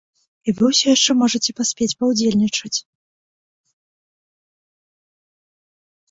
І вы ўсё яшчэ можаце паспець паўдзельнічаць!